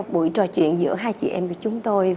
buổi trò chuyện giữa hai chị em của chúng tôi